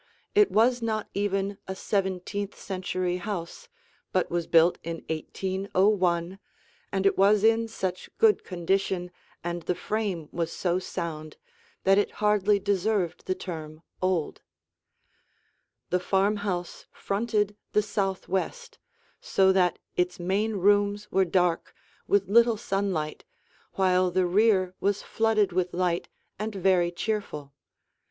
It was not even a seventeenth century house but was built in 1801, and it was in such good condition and the frame was so sound that it hardly deserved the term "old." [Illustration: THE HOWLAND S. CHANDLER HOUSE] The farmhouse fronted the southwest, so that its main rooms were dark, with little sunlight, while the rear was flooded with light and very cheerful.